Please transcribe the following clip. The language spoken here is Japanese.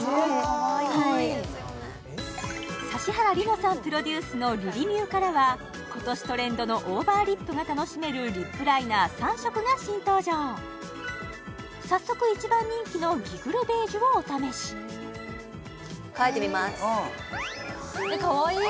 かわいい指原莉乃さんプロデュースのＲｉｒｉｍｅｗからは今年トレンドのオーバーリップが楽しめるリップライナー３色が新登場早速一番人気のギグルベージュをお試し描いてみますかわいい！